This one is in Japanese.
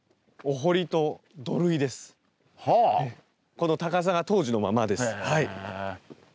この高さが当時のままです。へ。